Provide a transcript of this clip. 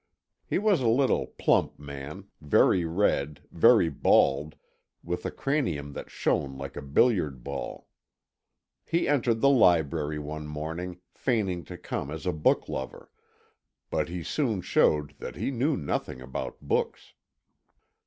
He was a little plump man, very red, very bald, with a cranium that shone like a billiard ball. He entered the library one morning feigning to come as a book lover, but he soon showed that he knew nothing about books.